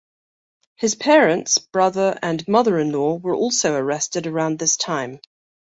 His parents, brother and mother-in-law were also arrested around this time.